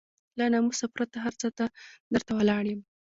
له ناموسه پرته هر څه ته درته ولاړ يم.